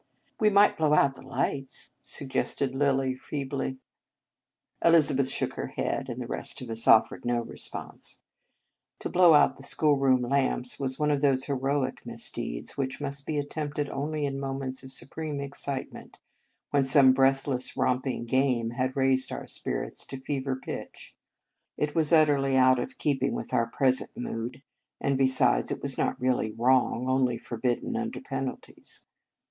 " We might blow out the lights," suggested Lilly feebly. Elizabeth shook her head, and the rest of us offered no response. To blow out the schoolroom lamps was one of those heroic misdeeds which could be attempted only in moments of supreme excitement, when some breathless romping game had raised our spirits to fever pitch. It was ut 74 In Retreat terly out of keeping with our present mood, and besides it was not really wrong, only forbidden under pen alties.